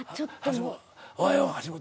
「おはよう橋本」